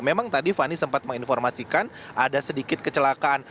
memang tadi fani sempat menginformasikan ada sedikit kecelakaan